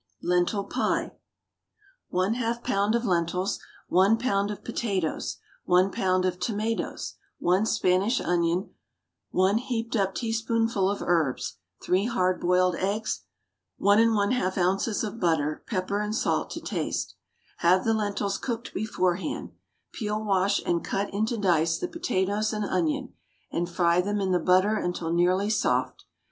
LENTIL PIE. 1/2 lb. of lentils, 1 lb. of potatoes, 1 lb. of tomatoes, 1 Spanish onion, 1 heaped up teaspoonful of herbs, 3 hard boiled eggs, 1 1/2 oz. of butter, pepper and salt to taste. Have the lentils cooked beforehand. Peel, wash, and cut into dice the potatoes and onion, and fry them in the butter until nearly soft.